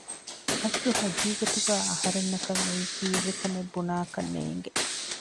އަސްލު ހަގީގަތުގައި އަހަރެންނަކަށް އެއީ ކީއްވެކަމެއް ބުނާކަށް ނޭނގެ